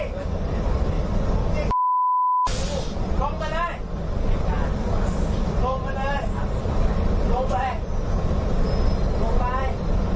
นี่ลงไปเลยลงไปเลยลงไปลงไป